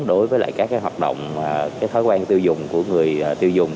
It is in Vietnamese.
đối với các hợp động các thói quen tiêu dùng của người tiêu dùng